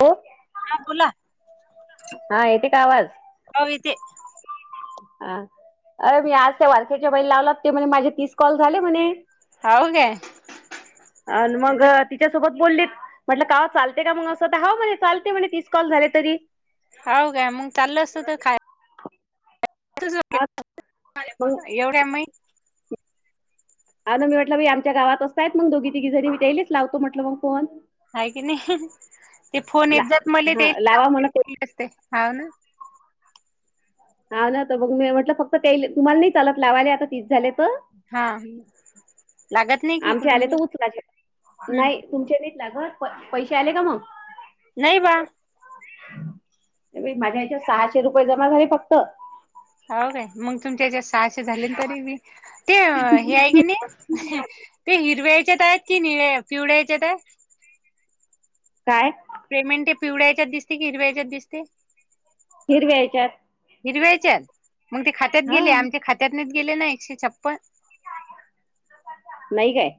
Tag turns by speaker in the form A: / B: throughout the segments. A: हो
B: ह बोला
A: हा येते का
B: हाव येते
A: ह अरे मी आज त्या वारख्याच्या बाहि लावलात ते म्हणे माझे तीस कॉल झाले म्हणे
B: हाव काय
A: आणि मग तिच्यासोबत बोललीत म्हटलं का चालते का मग असं तर हाव म्हणे चालते म्हणे तीस कॉल झाले तरी
B: हाव काय मग चाल असत तर खा [inaudible]
A: हा मग
B: [unintelligible] एवढ्या मय
A: आजच मी म्हटल आमच्या गावात असतायत मग दोघी तिघी जरी मी येईलेच लावतो म्हटलं मग फोन
B: हाय कीने ते फोन
A: ला
B: येत जत मले ते
A: हा
B: येईल [inaudible]
A: लावा म्हणत
B: [unintelligible] म्हणच ते हा ना
A: हा ना तर मग मी म्हटलं त फक्त त्याले तुम्हाला नाही चालत लावाय आता तीस झाले तर
B: हा हा
A: आमचे आले तर उचलाचे
B: हम्म
A: नाही तुमच्या नाय लागत पैसे आले का मग
B: नाही बा
A: माझ्या या्याच्या सहाशे रुपये जमा झाले फक्त
B: हाव काय मग तुमच्याच्या सहाशे झाले तरी मी ते हे आहे की नाही ते हिरव्याच्यात आहेत कि निळ्या पिवळे हेच्यात आहेत
A: काय
B: पेमेंट हे पिवळ्या हेच्याच दिसते की हिरवायच्याच दिसते
A: हीरव्या हेच्यात
B: हिरव्यायच्याच मग ते खात्यात
A: हा
B: गेले आमच्या खात्यातनेच गेले ना एकशे छप्पन
A: नाही काय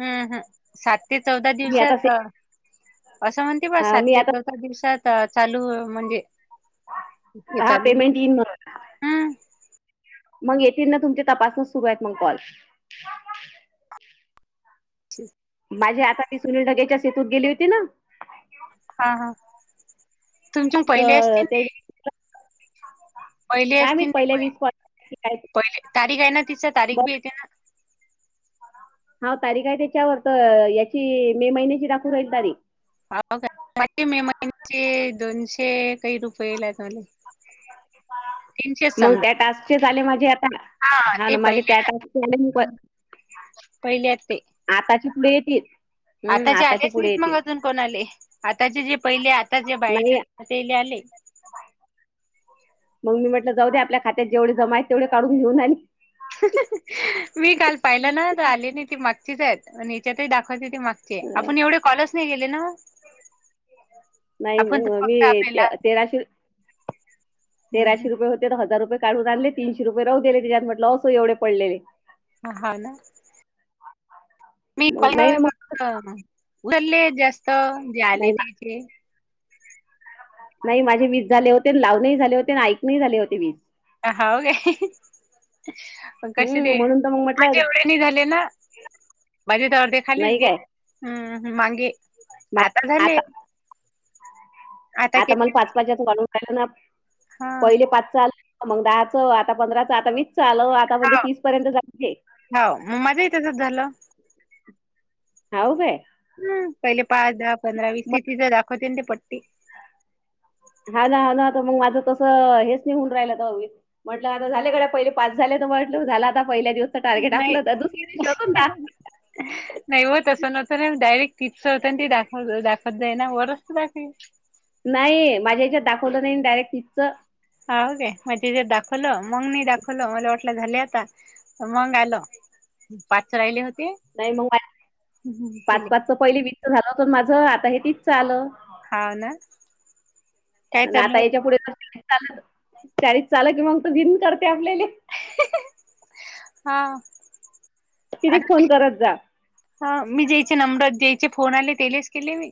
B: हम्म हम सात ते चौदा
A: मी आता
B: दिवसात
A: से
B: असं म्हण ते ब
A: हा मी
B: सात ते
A: आता
B: चौथ दिवसात चालू म्हणजे, हे
A: हा
B: चालू
A: पेमेंट इईन म.
B: हं.
A: मग येतील ना तुमचे तपासण सुरू आहेत मग कॉल.
B: अच्छ.
A: माझे आता मी सुनील ढगेच्या शेतत गेले होती ना.
B: हा हा तुमच्या पहिले
A: तर
B: असतील
A: ते
B: ना. पहिले
A: काय मी
B: असतील
A: पहिल्या वीस कॉल काय
B: पहिले तारीख आहे ना ति तारीख बी
A: बरं
B: येते ना.
A: हा तारीख आहे त्याच्यावर तर याची मे महिन्याची दाखवून राहील तारीख.
B: काे मे महिन्याचे दोनशे काही रुपये लात मले.
A: मग
B: समजा.
A: त्या टास्कचे झा आले माझे आता.
B: हां,
A: हा
B: ते
A: ना माझे
B: पहिले
A: त्या टा मी प.
B: हं, पहिले आहेत ते.
A: आताची पुढे येेत.
B: आताचे आलेच नाहीच मग अजून कोणा आले आताचे जे पहिले आता जे
A: नाही
B: बायचे ते आले.
A: मग मी म्हटलं जाऊ देे आपल्या खात्यात जेवढे जमा आहेत तेवढे काढून घेऊन आले.
B: मी काल पाहिलं ना तर आली ना ती मागचीच आहेत याच्यातही दाखवायची ती माग. ते
A: अं,
B: आपण एवढे कॉलज नाही गेले ना.
A: नाही
B: आपण तर
A: मग
B: फक्त
A: मी
B: आपेला.
A: ते- तेराशे तेराशे रुपये होते तर हजार रुपये काढून आणले तीनशे रुपये राह दिले तिच्यात म्हटलं असो एवे पडलेले.
B: ह हा ना. मी
A: मग नाही ना मग
B: फक्त उचलले जास्त जेले
A: नाही
B: त्याचे.
A: नाही माझे वीस झाले होते लाव नाही झाले होते ऐक नाही झाले होते वीस.
B: अ हा हो का. कसे
A: हम्म
B: ते
A: म्हणून तर मग म्हटलं
B: माझ्यावढ्यानी झाले ना. बाजू तर अर्धे खालीच
A: नाही काय
B: गेले हम् मगे आता झाले.
A: आता मग पाच पाचच वाढून कालं ना
B: हा
A: पहिले पाच सल. मग दहाचं आता पंधराचं आता मीच चाल आता म्हणजे तीस पर्यंत जाय.
B: हो मग माझं तसंच झालं.
A: हऊ का.
B: हम पहिले पाच दहा पंधरा वीस ते ति जं दाखवते ते पट.
A: हा ना हा नाता मग माझं तसं हेच निहून राहिलं तरवी. म्हटलं आता झाले कडे पहिले पास झाले तर म्हटलं झालं आता पहिल्या दिवसचं टार्गेट आपलं तर दुसरी दिवशी होत ना.
B: ह. नाही हो तसं नव्हतं ना डायरेक्ट टिप्स होतं ते दाखव दाखवत जाई ना वरचत दाखवी.
A: नाही माझ्या ह्याच्यात दाखवलं नाही डायरेक्ट तिथचं.
B: हा होे मग तिथ दाखवलं मगनी दाखवलं मला वाटलं झाले आता. मग आलं पाचच राहिले होते.
A: नाही मग
B: हम्म,
A: पाच
B: केले
A: पाचच पहिली वीचच झालं होत माझ आता हे तीचच आलं.
B: हा ना काय चालू
A: आता
B: आहे.
A: याच्या पुढे. ल शाारी चाल की मग त भन करते आपल्याला.
B: हा.
A: कि फोन करत जा.
B: ह मी ज्यायचे नंबरात ज्यायचे फोन आले तेलेच केले मी.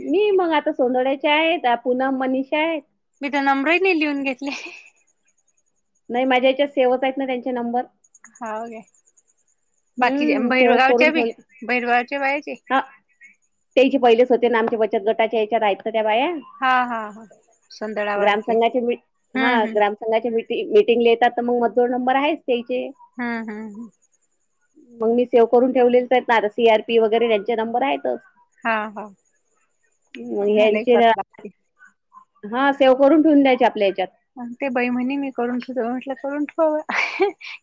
A: मी मग आता सोडड्याचे आहेत पुनम मनीषा आहेत.
B: मी तर नमब्रईने लिहून घेतले.
A: नाही माझ्या याच्यात सेवच आहेत ना त्यांचे नंबर.
B: होागे बाकीच्या
A: हम्म सेवच करून
B: भैरगावच्या बी
A: ठेवले
B: भैरगावच्या बायाचे.
A: ते जी पहिलेच होते ना आमचे बचत गटाच्या याच्यात आहेतऐ त्या बाया.
B: हा हा हा सधळा वारके हम्म हम्म.
A: संघा मिीटिंग ला येतात तर मग मग जोड नंबर आहेच त्याचे.
B: हम्म हम्म हम.
A: मग मी सेव्ह करून ठेवलेच आहेत ना सी आर पी वगैरे त्यांचे नंबर आहेतच
B: हा हा
A: मग
B: मलाही
A: ह्यांचे
B: करा लागते
A: हा सेव करून ठेवून द्यायचे आपल्या याच्यात
B: ते बही म्हणी मी करून ठेवत म्हटलं करून ठेवाव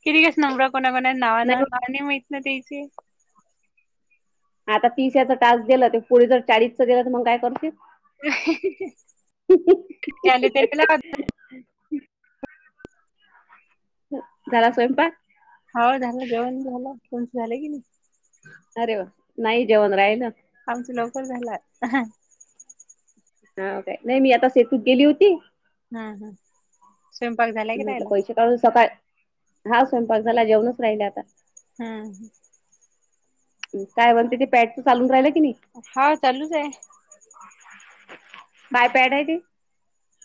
B: किती कस नमरा कोणाकणा ना ना नाही माहित ना त्याचे
A: आता तिसऱ्याच तास गेलं ते पुढे जर चाळीसच गेलं तर मग काय करतील
B: त्याले त बला
A: झारा स्वयंपाक
B: हो झालं जेन झालं फन झाले क नाही
A: अरे वा नाही जेवण राहि ना
B: आमचं लवकर झालं
A: हा काय नाही मी आता सेतू गेली होती.
B: हम् हा. स्वयपाक झाले
A: म्हटलं पैसे काढून सकाळ हा स्वयंपाक झाला जेवणच राहिले आता
B: हम्
A: काय म्हणते ते पॅटचं चालून राहिलं की नाही
B: हा चालूच आहे
A: काय पॅड आहे ती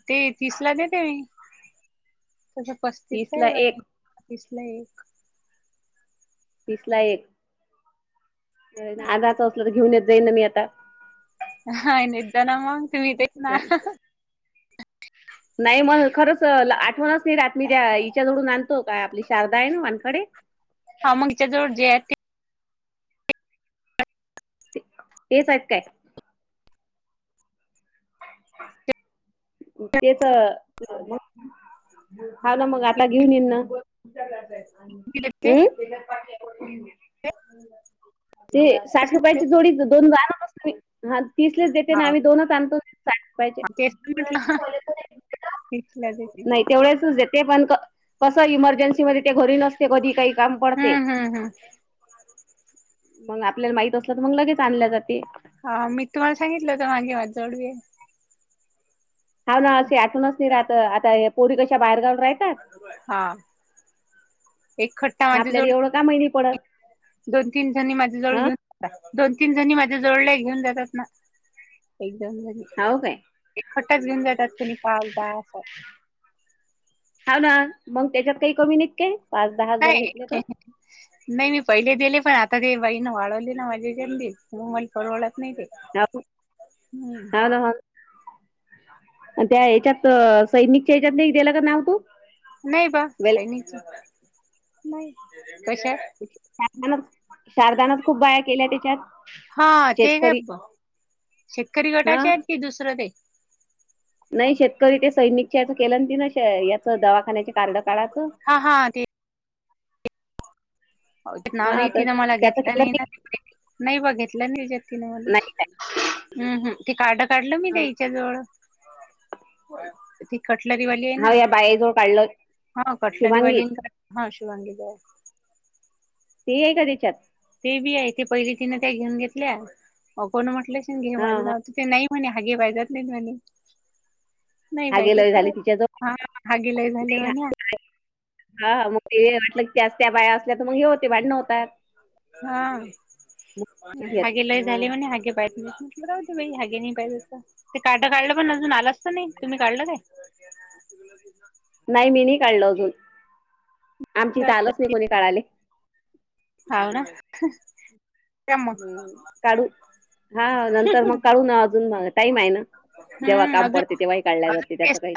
B: ते तीस ला देते मी तस पस्तीस ला
A: तीसला
B: आहे
A: एक
B: तसला एक
A: तिसला एक आधाच असलं तर घेऊन येत जाईल ना मी आता
B: हा निदाना म तुम्ही ते ना
A: नाही मग खरंच आठवणच नाही रात मी त्या हिच्या जवडून आणतो काय आपली शारदा आहे ना मानखडे
B: हा मगीच्या जवळ जे आहे ते
A: तेचट कांय तेच हव ना मग आता घेऊन येईन ना
B: दिले ते.
A: हम् ते साठ रुपयाची जोडीच दोन गा ना बसत हा तिसलेच देते ना आम्ही दोनच आणतो पाहिजे
B: म्हटलाे
A: नाही तेवढेच देते पण कसं इमर्जन्सी मध्ये ते घरी नसते कधी काही काम पडते
B: हम्म हम्म हम्म
A: मग आपल्याला माहित असलं तर मग लगेच आणल्या जाते
B: हा मी तुम्हाला सांगितलं होत मागे माझ जळू
A: हा ना अशी आठवूनच नाही राहत आता पोरी कशा बाहेरगाव राहतात
B: हा एक खट्टा माझ्या जोड
A: का महिणी पडत
B: दोन तीन जणी माझ्या जवळ
A: हा
B: घेऊनात दोन तीन जणी माझ्या जवळ घेऊन जातात ना एकदम घरी
A: हो काय
B: एक खट्टच घेऊन जातात कुणी पालदा असा
A: हा ना मग त्याच्यात काही कमी नाहीत काय पाच दहा हजार
B: नाही
A: घेतले तर
B: नाही मी पहिले दिले पण आता ते बाईण वाळवली ना माझे गली ममईल परवळत नाही ते
A: ह
B: हम्म
A: ह त्या ह्याच्यात सैनिकच्या ह्याच्यात दिला का नाव तो
B: नाही बा सैनची नाही कशा
A: शारदाना शारदानात खूप बाया केल्या त्याच्यात
B: हा ते काय
A: शेतकरी
B: ब- शेतकरी
A: हा
B: गटाचे आहेत की दुसरं ते
A: नाही शेतकरी ते सैनिकच्या याच केलं न तीन याचं दवाखान्याचे कार्ड काडायच.
B: हा हा ते
A: ह [unintelligible] [inaudible]
B: हो नाव नाही तिनं मला घेतलं
A: केलं
B: नाही
A: ते
B: ना नाही बा घेतलं नाही ह्याच्यात तिनं
A: नाही
B: मले [unintelligible] हम्म हम्म ते कार्ड काढलं मी त्या
A: हा.
B: ह्याच्या जवळ. ती कटलरीवाली आहे ना
A: हा या बायाजवळ काढलं
B: हा
A: शुभांगी
B: कटलरीवाली हा शिवांगीला आहे.
A: ते आहे का त्याच्यात?
B: ते बी आहे ते पहिली तिने त्या घेऊन घेतल्या अ कोण म्हटले अशील घे
A: हा
B: माझ
A: हा
B: नाव तिथ नाही म्हणे हागे बाई जात नाहीत म्हणे नाही
A: हा
B: बाई
A: गेलं
B: तर
A: झाली तिच्याजवळ
B: हा हागेलाही झाले म्हणे. [unintelligible]
A: हा हा मग ते वाटलं त्याय त्या बाया असल्या तर मग हे होते भांडणं होतात.
B: हा
A: मग
B: हगे लय
A: घेतलं हा
B: झाली म्हणे हगे पाहत बर होते बाई हगे नाही पाहिजे ते कार्ड काढलं पण अजून आलाच तर नाही तुम्ही काढलं काय?
A: नाही मी नाही काढल अजून आमची इथ
B: काय
A: आलंच नाही कोणी काढाले
B: हाव ना
A: ह
B: मग
A: हम काढू हा नंतर मग काढू ना अजून टाईम आहे ना. जेव्हा
B: हम्म
A: काम
B: अजून
A: पडते तेव्हाही काढल्या जाते त्याच
B: अजून
A: काही.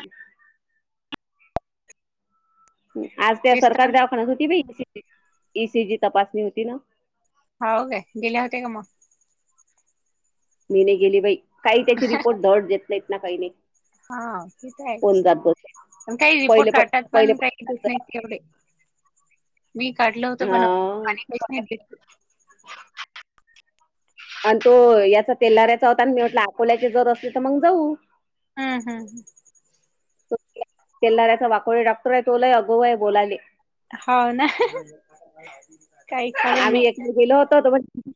A: आज त्या
B: तेच तर
A: सरकार दवा म्हणत होती बाई इ, सी, जी तपासणी होती ना.
B: हाव काय गेल्या होत्या का मग.?
A: मी नयी गेली बाई काय त्याची रिपोर्ट धड देत नाहीत ना काही नाही.
B: हा हा ते तर
A: कोण
B: आहेच.
A: जात बस
B: पण काही रिपोर्ट
A: पहिले प
B: काढतात
A: पहिले
B: पण काही दिसत नाही
A: पहिले
B: एवढे. मी काढलं होतं
A: हा
B: पण बाकी काहीच नाही
A: आणि तो याचा तेलऱ्याचा होता आणि मी म्हटला अकोल्याचे जर असले तर मग जाऊ.
B: हम्म, हम्म
A: तेलाऱ्याचा वाकोडे डॉक्टर आहे तो लय आगवु आहे बोलायले.
B: हाव ना.. काही खरं
A: आम्ही
B: नाही.
A: एक गेलो होतो म्हणे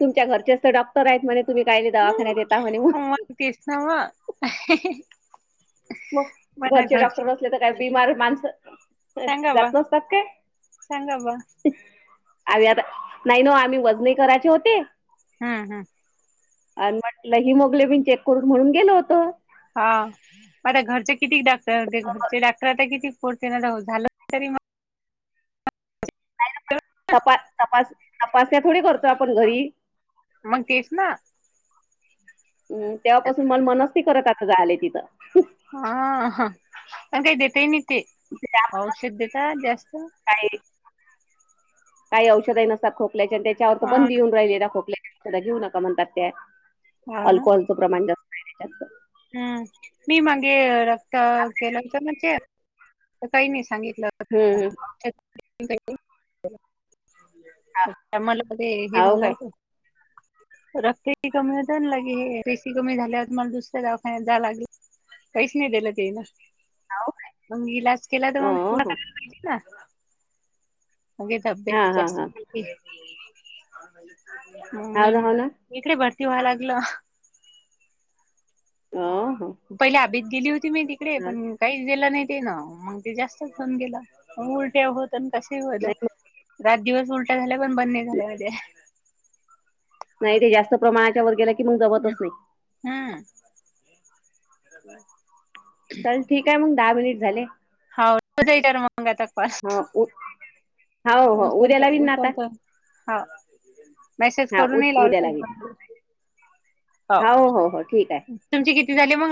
A: तुमच्या घरच्याच डाँक्टर आहेत म्हणे तुम्ही कायले
B: हम्म,
A: दवाखान्याता म्हणे मग.
B: तेच नव.
A: मग घरचे डॉक्टर असले तर काही बिमार माणसं
B: सांगा बा
A: जात नसतात काय?
B: सांगा बा
A: आम्ही आता नाही ना ओ आम्ही वजने करायचे होते.
B: हा हा
A: आण म्हटलं हिमोग्लोबिन चेक करून म्हणून गेलो होतो.
B: हा मग आता घरचे किती डाक्टर होते घरचे डॉक्टर आता किती पोडते ना झालं तरी
A: तपा तपास तपासण्या थोडी करतोय आपण घरी.
B: मग तेच ना.
A: हम्म तेव्हापासून मला मनच नाही करत आता जायले तिथं.
B: हा अ काय देत ही नाही ते औषध देेता जास्त.
A: काय काही औषध नसतात खोकल्याचे आणि त्याच्यावर च
B: हा
A: पण देवून राहिले त्या खोकल्या घेऊ नका म्हणतात ते
B: हाव ना.
A: अल्कोहलचं प्रमाण जास्त आहे त्याच्यात त.
B: हम्म नाही मगे रक्त केलं होत न चेक तर काही नाही सांगितल.
A: हम्म, हम्म.
B: [unintelligible] मला मध्ये हे
A: हो
B: झाल
A: काय
B: असलं. [unintelligible] रक्त कमी होते अन लगे हे पेसी कमी झाल्यात मग दुसऱ्या दवाखान्यात जाव लागलं काहीच नाही दिल त्याईन. मग इलाज केला तर
A: हो
B: मग पुरा
A: हो.
B: करा लागिना
A: हा
B: तब्येत
A: हा
B: जास्त
A: हा हाव ना हाव ना.
B: [unintelligible] इकडे भरती व्हाया लागल.
A: हां हां.
B: पहिले हबीत गेली होती मी तिकडे. पण- काहीच दिलं नाही तेन. मग ते जास्तच होऊन गेल. उलट्या होत आणि कसेही होत.
A: नाही मग
B: रात दिवस उलट्या झाल्या. पण बंद नाही झाल्या माझ्या.
A: नाही बाई. जास्त प्रमाणाच्या वर गेल की मग जमतचं नाही.
B: हा.
A: चल ठीक आहे मग. दहा मिनिट झाले.
B: हाव तर मंगा
A: हो, उ हो,
B: [unintelligible]
A: हो. उद्या
B: उचलतो
A: लावीन ना आता.
B: उचलतो. हाव. मॅसेज
A: हां, उ
B: करूनही
A: उद्या
B: लावला तर
A: लावीन.
B: चालतो. हो.
A: हो. ठीक आहे.
B: तुमचे किती झाले मंग?